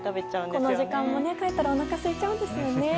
この時間、帰ったらおなかすいちゃうんですよね。